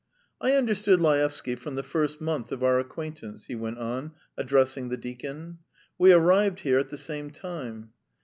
"I understood Laevsky from the first month of our acquaintance," he went on, addressing the deacon. "We arrived here at the same time.